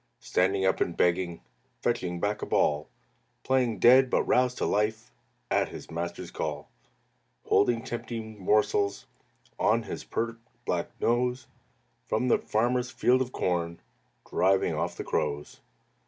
Standing up and begging, Fetching back a ball; Playing dead, but roused to life At his master's call. Holding tempting morsels On his pert black nose; From the farmer's field of corn Driving off the crows.